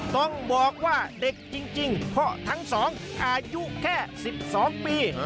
ต้องบอกว่าเด็กจริงเพราะทั้งสองอายุแค่๑๒ปี